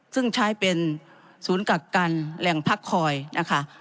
ซึ่งใช้เป็นศูนย์กักกันแหล่งพักคอยนะคะ